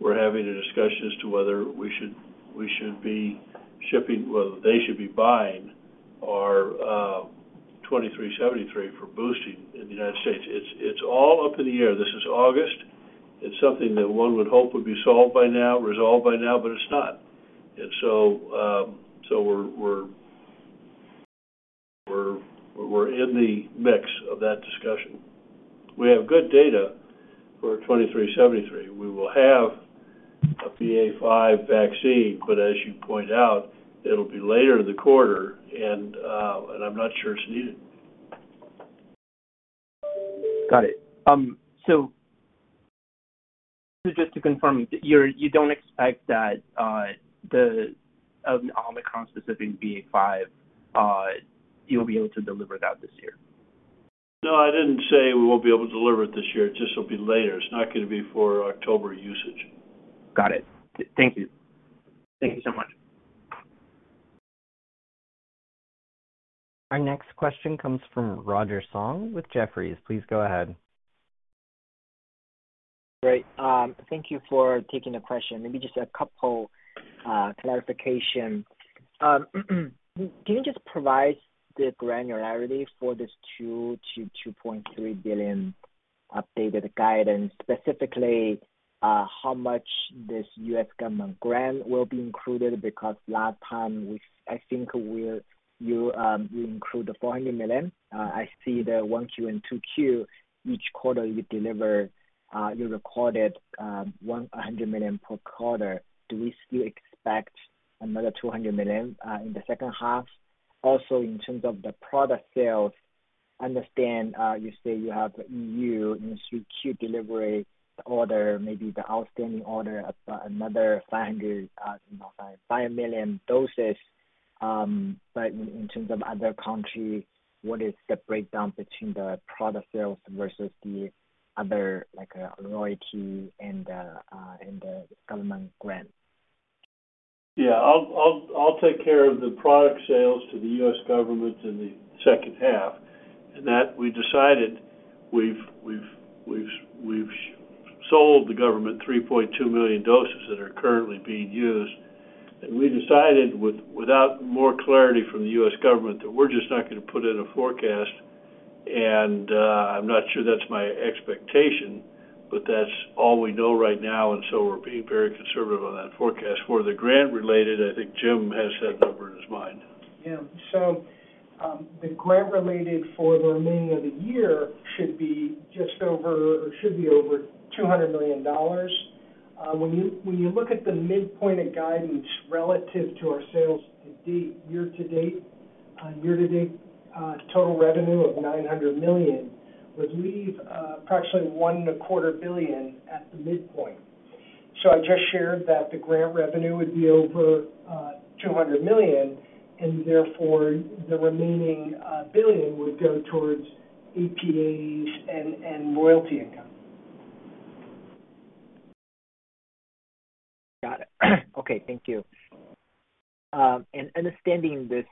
we're having a discussion as to whether we should be shipping. Well, they should be buying our NVX-CoV2373 for boosting in the United States. It's all up in the air. This is August. It's something that one would hope would be solved by now, resolved by now, but it's not. We're in the mix of that discussion. We have good data for NVX-CoV2373. We will have an Omicron BA.5 vaccine, but as you point out, it'll be later in the quarter and I'm not sure it's needed. Got it. Just to confirm, you don't expect that the Omicron-specific BA.5 you'll be able to deliver that this year? No, I didn't say we won't be able to deliver it this year. It just will be later. It's not gonna be for October usage. Got it. Thank you. Thank you so much. Our next question comes from Roger Song with Jefferies. Please go ahead. Great. Thank you for taking the question. Maybe just a couple clarification. Can you just provide the granularity for this $2 billion-$2.3 billion updated guidance, specifically, how much this U.S. government grant will be included? Because last time, I think you included the $400 million. I see the 1Q and 2Q, each quarter you deliver, you recorded, $100 million per quarter. Do we still expect another $200 million in the second half? Also, in terms of the product sales, understand, you say you have EU in 3Q delivery order, maybe the outstanding order of another 500, no, 5 million doses. In terms of other countries, what is the breakdown between the product sales versus the other, like, royalty and the government grant? I'll take care of the product sales to the U.S. government in the second half, and that we decided we've sold the government 3.2 million doses that are currently being used. We decided without more clarity from the U.S. government that we're just not gonna put in a forecast. I'm not sure that's my expectation, but that's all we know right now, so we're being very conservative on that forecast. For the grant related, I think Jim has that number in his mind. Yeah. The grant related for the remaining of the year should be just over, or should be over $200 million. When you look at the midpoint of guidance relative to our sales to date, year to date, total revenue of $900 million would leave approximately $1.25 billion at the midpoint. I just shared that the grant revenue would be over $200 million, and therefore the remaining $1 billion would go towards APAs and royalty income. Got it. Okay. Thank you. Understanding this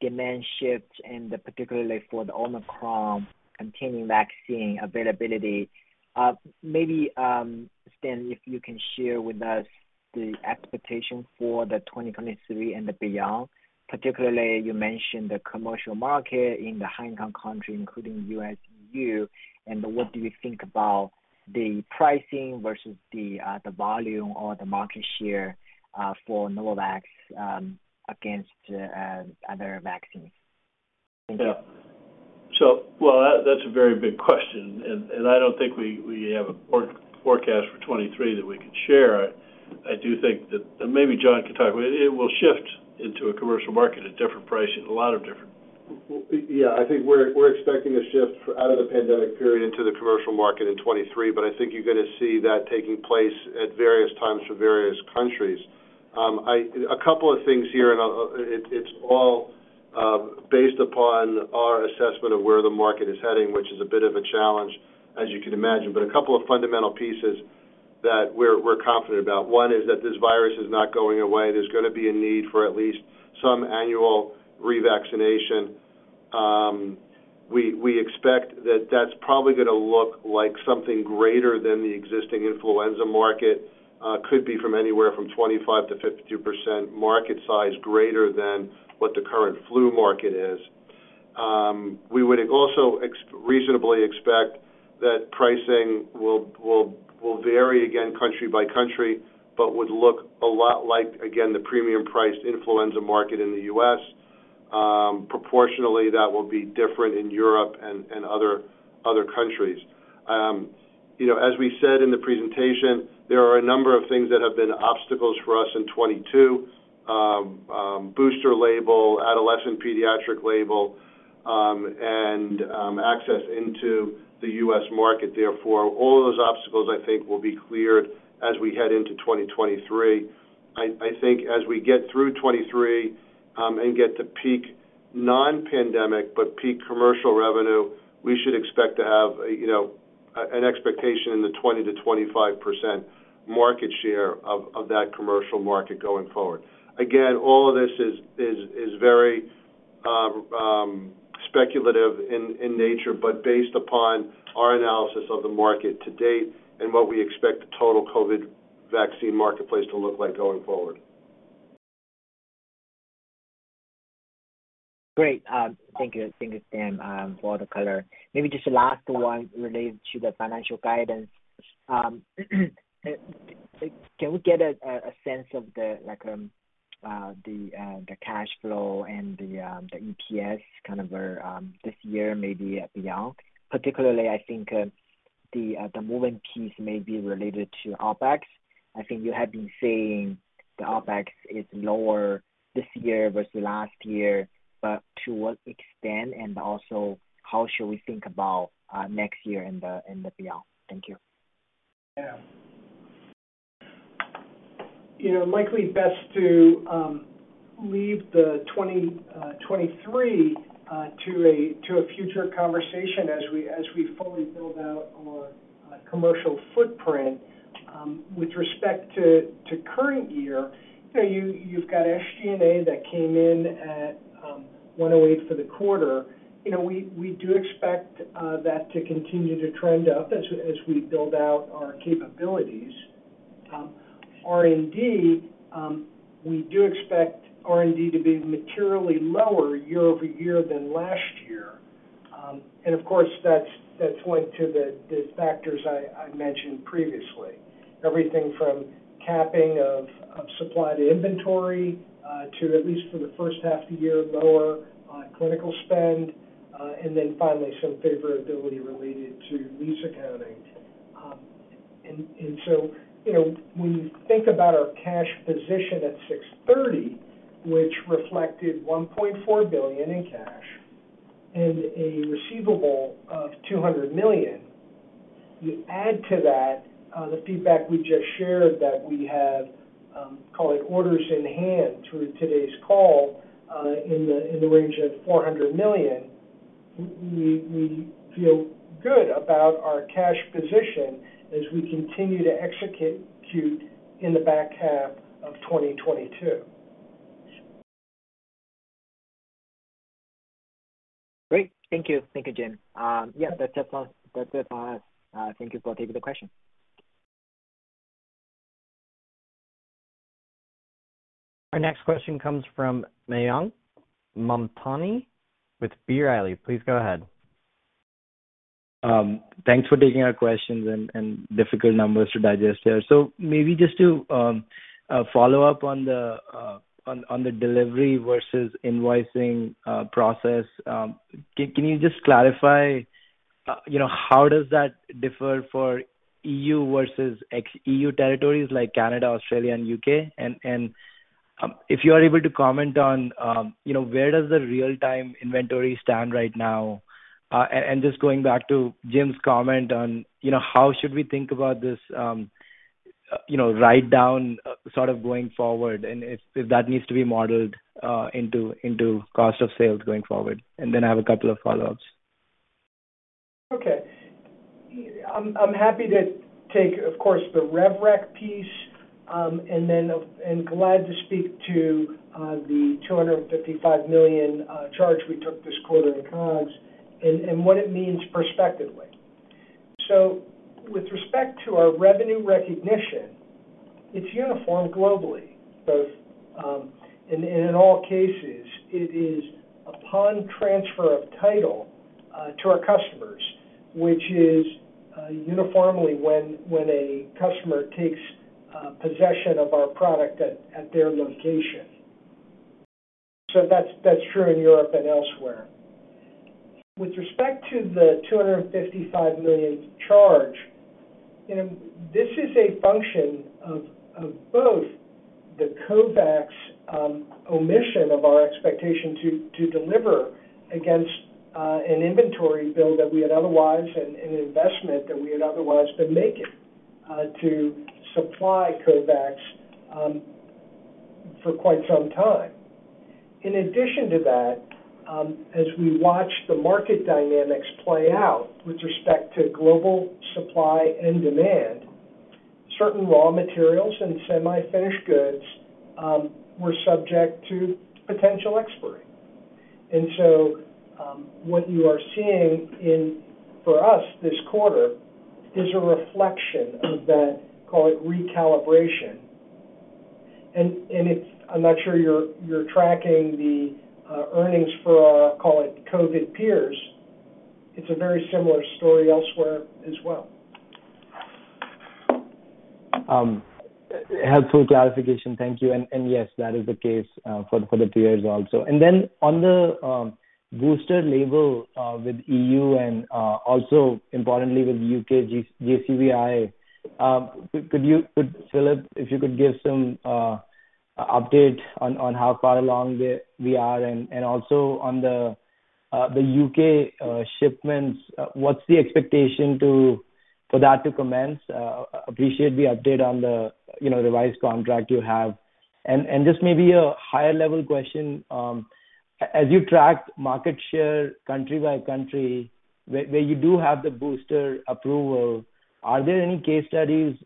demand shift, and particularly for the Omicron-containing vaccine availability, maybe Stan, if you can share with us the expectation for 2023 and beyond. Particularly, you mentioned the commercial market in the high-income country, including US, EU, and what do you think about the pricing versus the volume or the market share for Novavax against other vaccines? Thank you. Well, that's a very big question, and I don't think we have a forecast for 2023 that we can share. I do think that, and maybe John can talk about it will shift into a commercial market at different pricing, a lot of different. Well, yeah, I think we're expecting a shift out of the pandemic period into the commercial market in 2023, but I think you're gonna see that taking place at various times for various countries. A couple of things here, and it's all based upon our assessment of where the market is heading, which is a bit of a challenge as you can imagine. A couple of fundamental pieces that we're confident about. One is that this virus is not going away. There's gonna be a need for at least some annual revaccination. We expect that that's probably gonna look like something greater than the existing influenza market. Could be from anywhere from 25%-52% market size greater than what the current flu market is. We would also reasonably expect that pricing will vary again country by country, but would look a lot like, again, the premium priced influenza market in the U.S. Proportionally, that will be different in Europe and other countries. You know, as we said in the presentation, there are a number of things that have been obstacles for us in 2022, booster label, adolescent pediatric label, and access into the U.S. market therefore. All of those obstacles, I think, will be cleared as we head into 2023. I think as we get through 2023 and get to peak non-pandemic but peak commercial revenue, we should expect to have a, you know, an expectation in the 20%-25% market share of that commercial market going forward. Again, all of this is very speculative in nature, but based upon our analysis of the market to date and what we expect the total COVID vaccine marketplace to look like going forward. Great. Thank you. Thank you, Stan, for all the color. Maybe just the last one related to the financial guidance. Can we get a sense of the, like, the cash flow and the EPS kind of this year, maybe beyond. Particularly, I think, the moving piece may be related to OpEx. I think you have been saying the OpEx is lower this year versus last year, but to what extent, and also how should we think about next year and beyond? Thank you. You know, likely best to leave the 2023 to a future conversation as we fully build out our commercial footprint. With respect to current year, you know, you've got SG&A that came in at $108 million for the quarter. You know, we do expect that to continue to trend up as we build out our capabilities. R&D, we do expect R&D to be materially lower year-over-year than last year. Of course, that's going to the factors I mentioned previously. Everything from capping of supply to inventory to at least for the first half of the year, lower clinical spend, and then finally some favorability related to lease accounting. You know, when you think about our cash position at June 30, which reflected $1.4 billion in cash and a receivable of $200 million, you add to that, the feedback we just shared that we have, call it orders in hand through today's call, in the range of $400 million. We feel good about our cash position as we continue to execute in the back half of 2022. Great. Thank you. Thank you, Jim. Yeah, that's just all. That's it on us. Thank you for taking the question. Our next question comes from Mayank Mamtani with B. Riley Securities. Please go ahead. Thanks for taking our questions and difficult numbers to digest there. Maybe just to follow up on the delivery versus invoicing process. Can you just clarify, you know, how does that differ for EU versus ex-EU territories like Canada, Australia, and U.K.? And if you are able to comment on, you know, where does the real-time inventory stand right now? And just going back to Jim's comment on, you know, how should we think about this write down sort of going forward, and if that needs to be modeled into cost of sales going forward. Then I have a couple of follow-ups. Okay. I'm happy to take, of course, the revenue recognition piece, and glad to speak to the $255 million charge we took this quarter in COGS and what it means prospectively. With respect to our revenue recognition, it's uniform globally, both in and in all cases, it is upon transfer of title to our customers, which is uniformly when a customer takes possession of our product at their location. That's true in Europe and elsewhere. With respect to the $255 million charge, you know, this is a function of both the COVAX omission of our expectation to deliver against an inventory build that we had otherwise been making to supply COVAX for quite some time. In addition to that, as we watch the market dynamics play out with respect to global supply and demand, certain raw materials and semi-finished goods were subject to potential expiry. What you are seeing in for us this quarter is a reflection of that, call it recalibration. It's a very similar story elsewhere as well. I'm not sure you're tracking the earnings for call it COVID peers. Helpful clarification. Thank you. Yes, that is the case for the three years also. Then on the booster label with EU and also importantly with U.K.JCVI, could you... Could Filip, if you could give some update on how far along we are and also on the U.K. shipments, what's the expectation for that to commence? Appreciate the update on the, you know, revised contract you have. Just maybe a higher level question, as you track market share country by country where you do have the booster approval, are there any case studies,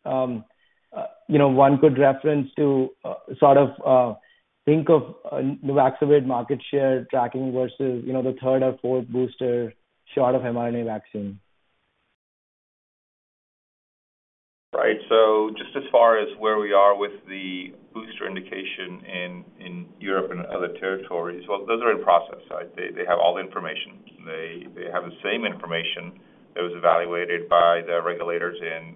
you know, one could reference to sort of think of Nuvaxovid market share tracking versus, you know, the third or fourth booster shot of mRNA vaccine? Right. Just as far as where we are with the booster indication in Europe and other territories, well, those are in process, right? They have all the information. They have the same information that was evaluated by the regulators in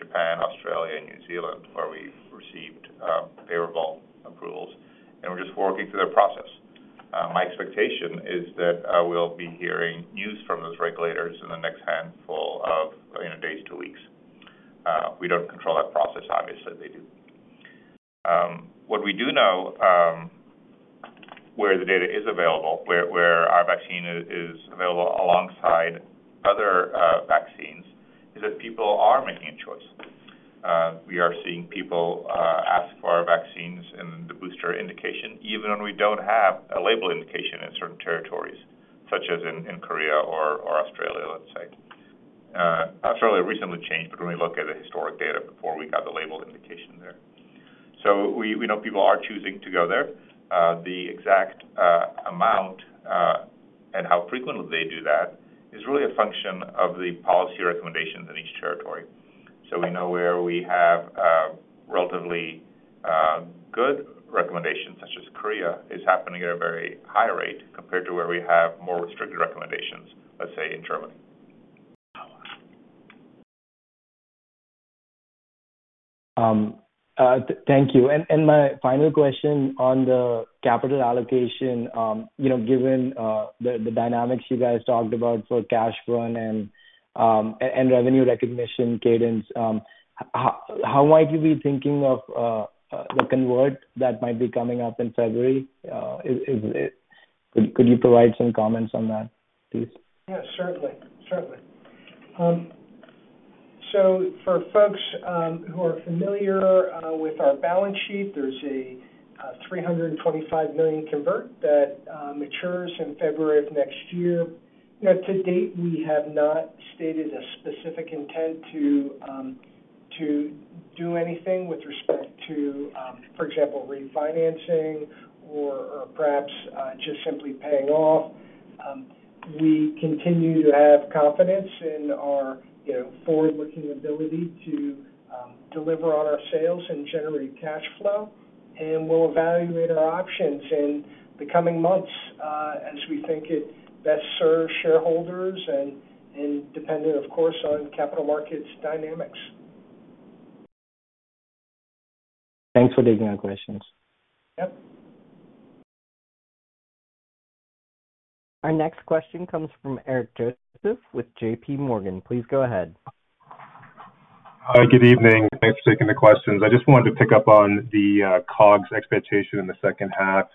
Japan, Australia, and New Zealand, where we've received favorable approvals, and we're just working through their process. My expectation is that we'll be hearing news from those regulators in the next handful of, you know, days to weeks. We don't control that process, obviously they do. What we do know, where the data is available, where our vaccine is available alongside other vaccines, is that people are making a choice. We are seeing people ask for our vaccines in the booster indication, even when we don't have a label indication in certain territories, such as in Korea or Australia, let's say. Australia recently changed, but when we look at the historic data before we got the label indication there. We know people are choosing to go there. The exact amount and how frequently they do that is really a function of the policy recommendations in each territory. We know where we have a relatively good recommendations, such as Korea, is happening at a very high rate compared to where we have more restricted recommendations, let's say in Germany. Thank you. My final question on the capital allocation, you know, given the dynamics you guys talked about for cash run and revenue recognition cadence, how might you be thinking of the convert that might be coming up in February? Could you provide some comments on that, please? Certainly. For folks who are familiar with our balance sheet, there's a $325 million convertible note that matures in February of next year. You know, to date, we have not stated a specific intent to do anything with respect to, for example, refinancing or perhaps just simply paying off. We continue to have confidence in our forward-looking ability to deliver on our sales and generate cash flow. We'll evaluate our options in the coming months as we think it best serves shareholders and, depending, of course, on capital markets dynamics. Thanks for taking our questions. Yep. Our next question comes from Eric Joseph with JPMorgan Chase & Co. Please go ahead. Hi, good evening. Thanks for taking the questions. I just wanted to pick up on the COGS expectation in the second half,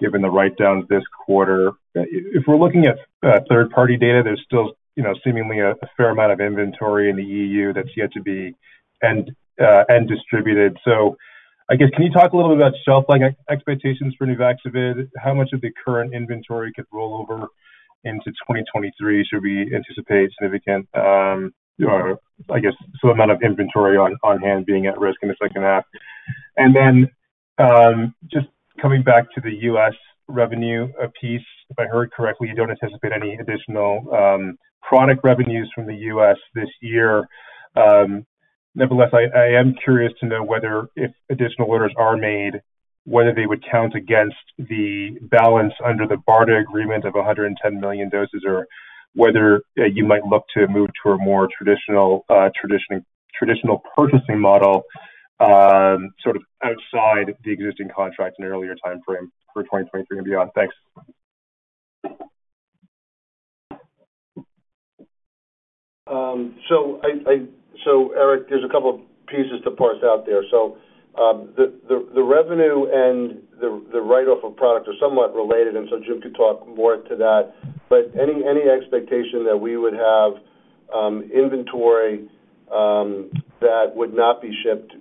given the write-downs this quarter. If we're looking at third-party data, there's still, you know, seemingly a fair amount of inventory in the E.U. that's yet to be distributed. I guess, can you talk a little bit about shelf life expectations for Nuvaxovid? How much of the current inventory could roll over into 2023? Should we anticipate significant, or I guess, some amount of inventory on hand being at risk in the second half? Then, just coming back to the U.S. revenue piece, if I heard correctly, you don't anticipate any additional commercial revenues from the U.S. this year. Nevertheless, I am curious to know whether if additional orders are made, whether they would count against the balance under the BARDA agreement of 100 million doses or whether you might look to move to a more traditional purchasing model sort of outside the existing contracts in an earlier timeframe for 2023 and beyond. Thanks. Eric, there's a couple of pieces to parse out there. The revenue and the write-off of product are somewhat related, and Jim could talk more to that. Any expectation that we would have inventory that would not be shipped,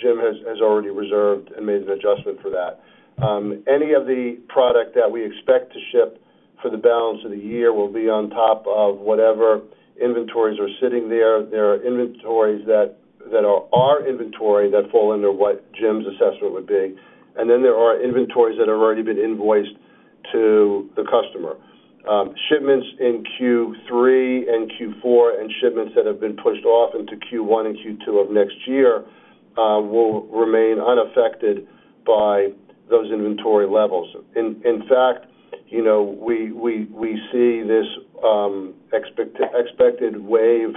Jim has already reserved and made an adjustment for that. Any of the product that we expect to ship for the balance of the year will be on top of whatever inventories are sitting there. There are inventories that are our inventory that fall under what Jim's assessment would be, and then there are inventories that have already been invoiced to the customer. Shipments in Q3 and Q4, and shipments that have been pushed off into Q1 and Q2 of next year. Will remain unaffected by those inventory levels. In fact, you know, we see this expected wave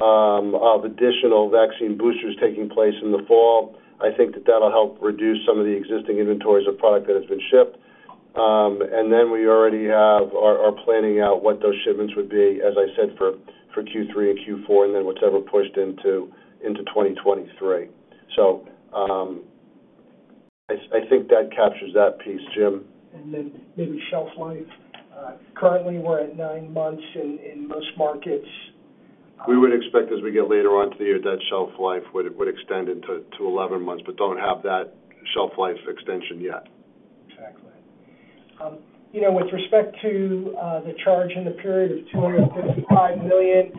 of additional vaccine boosters taking place in the fall. I think that that'll help reduce some of the existing inventories of product that has been shipped. We already have our are planning out what those shipments would be, as I said, for Q3 and Q4, and then whatever pushed into 2023. I think that captures that piece, Jim. Maybe shelf life. Currently we're at nine months in most markets. We would expect as we get later on to the year that shelf life would extend to 11 months, but don't have that shelf life extension yet. Exactly. You know, with respect to the charge in the period of $255 million,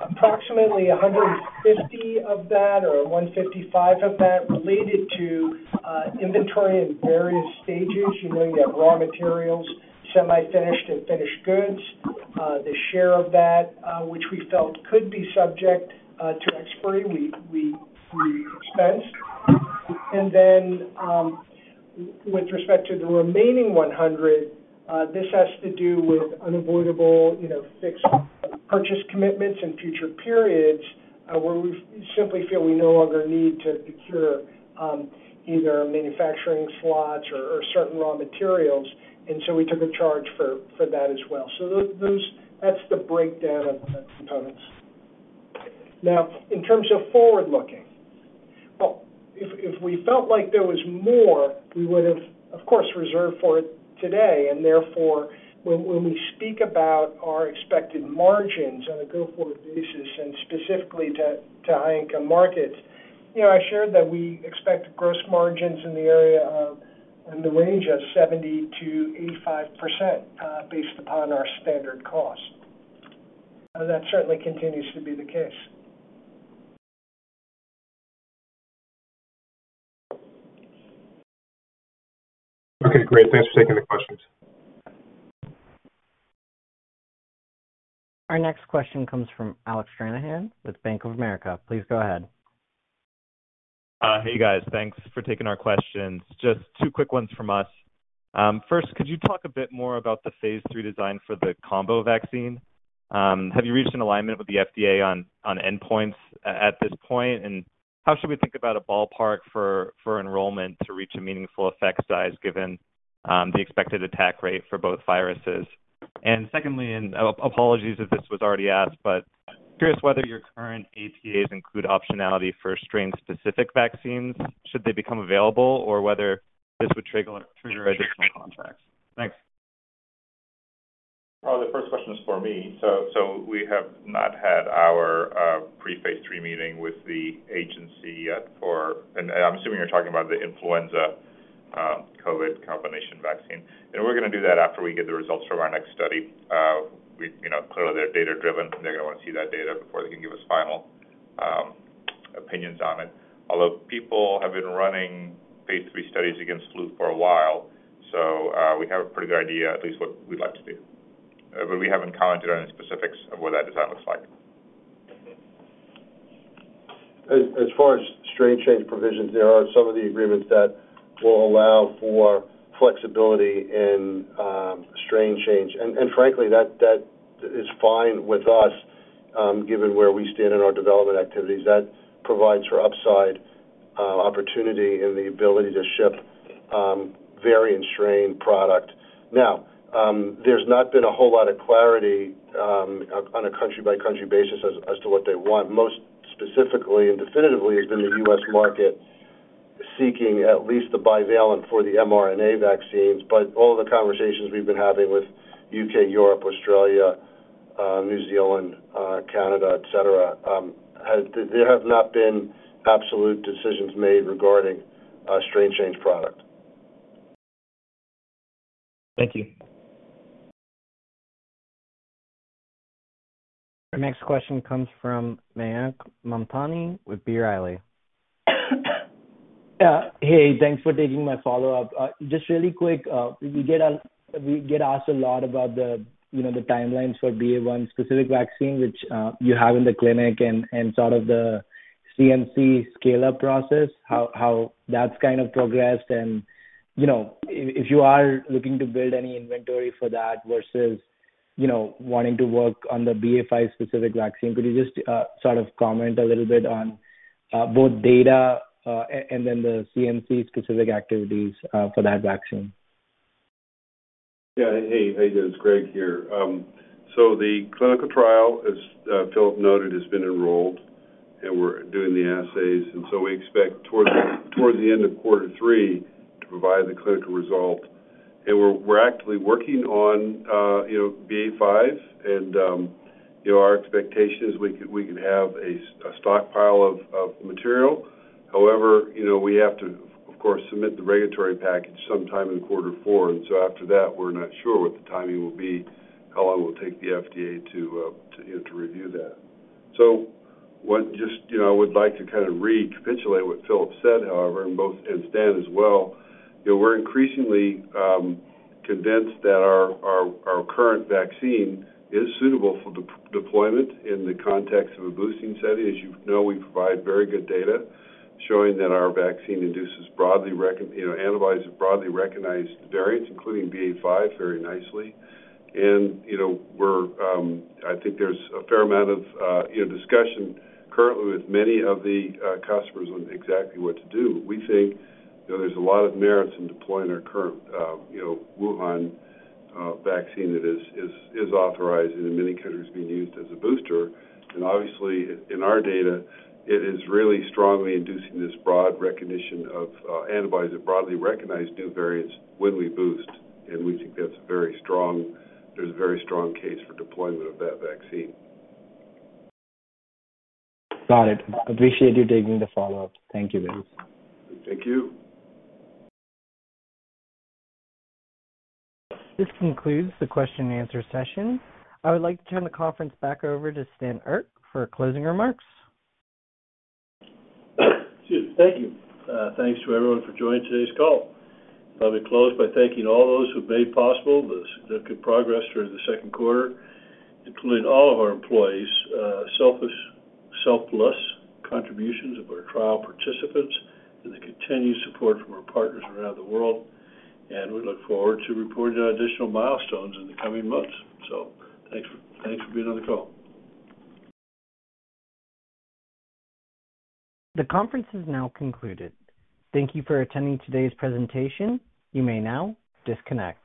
approximately $150 million of that or $155 million of that related to inventory in various stages. You know, you have raw materials, semi-finished and finished goods. The share of that, which we felt could be subject to expiry, we expensed. Then, with respect to the remaining $100 million, this has to do with unavoidable, you know, fixed purchase commitments in future periods, where we simply feel we no longer need to procure either manufacturing slots or certain raw materials. We took a charge for that as well. Those that's the breakdown of the components. Now, in terms of forward-looking, well, if we felt like there was more, we would have, of course, reserved for it today. Therefore, when we speak about our expected margins on a go-forward basis and specifically to high income markets, you know, I shared that we expect gross margins in the area of in the range of 70%-85%, based upon our standard cost. That certainly continues to be the case. Okay, great. Thanks for taking the questions. Our next question comes from Alec Stranahan with Bank of America. Please go ahead. Hey, guys. Thanks for taking our questions. Just two quick ones from us. First, could you talk a bit more about the phase III design for the combo vaccine? Have you reached an alignment with the FDA on endpoints at this point? And how should we think about a ballpark for enrollment to reach a meaningful effect size given the expected attack rate for both viruses? Secondly, apologies if this was already asked, but curious whether your current ATAs include optionality for strain-specific vaccines should they become available, or whether this would trigger additional contracts. Thanks. The first question is for me. We have not had our pre-phase III meeting with the agency yet. I'm assuming you're talking about the influenza COVID combination vaccine. We're gonna do that after we get the results from our next study. You know, clearly they're data-driven. They're gonna wanna see that data before they can give us final opinions on it. Although people have been running phase III studies against flu for a while, we have a pretty good idea at least what we'd like to do. We haven't commented on any specifics of what that design looks like. As far as strain change provisions, there are some of the agreements that will allow for flexibility in strain change. Frankly, that is fine with us, given where we stand in our development activities. That provides for upside opportunity and the ability to ship variant strain product. Now, there's not been a whole lot of clarity on a country-by-country basis as to what they want. Most specifically and definitively has been the U.S. market seeking at least the bivalent for the mRNA vaccines. All the conversations we've been having with U.K., Europe, Australia, New Zealand, Canada, et cetera have not been absolute decisions made regarding a strain change product. Thank you. Our next question comes from Mayank Mamtani with B. Riley. Yeah. Hey, thanks for taking my follow-up. Just really quick, we get asked a lot about the, you know, the timelines for Omicron BA.1 specific vaccine, which you have in the clinic and sort of the CMC scale-up process, how that's kind of progressed. You know, if you are looking to build any inventory for that versus, you know, wanting to work on the Omicron BA.5 specific vaccine, could you just sort of comment a little bit on both data and then the CMC specific activities for that vaccine? Yeah. Hey, how you doing? It's Greg here. The clinical trial, as Filip noted, has been enrolled, and we're doing the assays. We expect towards the end of quarter three to provide the clinical result. We're actively working on, you know, Omicron BA.5. Our expectation is we could have a stockpile of material. However, you know, we have to, of course, submit the regulatory package sometime in quarter four. After that, we're not sure what the timing will be, how long it will take the FDA to review that. You know, I would like to kind of recapitulate what Filip said, however, and Stan as well. You know, we're increasingly convinced that our current vaccine is suitable for deployment in the context of a boosting study. As you know, we provide very good data showing that our vaccine induces broadly you know, antibodies that broadly recognize variants, including Omicron BA.5 very nicely. You know, we're I think there's a fair amount of you know, discussion currently with many of the customers on exactly what to do. We think, you know, there's a lot of merits in deploying our current you know, Wuhan vaccine that is authorized and in many countries being used as a booster. Obviously in our data, it is really strongly inducing this broad recognition of antibodies that broadly recognize new variants when we boost, and we think that's a very strong case for deployment of that vaccine. Got it. Appreciate you taking the follow-up. Thank you very much. Thank you. This concludes the question and answer session. I would like to turn the conference back over to Stan Erck for closing remarks. Excuse me. Thank you. Thanks to everyone for joining today's call. I'll close by thanking all those who made possible the significant progress during the second quarter, including all of our employees' selfless contributions of our trial participants and the continued support from our partners around the world. We look forward to reporting on additional milestones in the coming months. Thanks for being on the call. The conference is now concluded. Thank you for attending today's presentation. You may now disconnect.